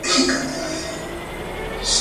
که ژبه ونه ساتل سي ستونزه راځي.